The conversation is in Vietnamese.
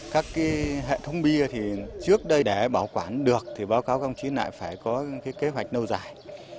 các hệ thống bia thì trước đây để bảo quản được thì báo cáo các công chí lại phải có kế hoạch nâu dài